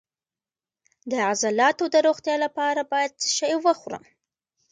د عضلاتو د روغتیا لپاره باید څه شی وخورم؟